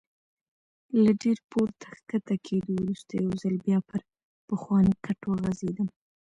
له ډېر پورته کښته کېدو وروسته یو ځل بیا پر پخواني کټ وغځېدم.